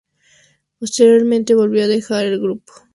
Posteriormente volvió a dejar el grupo.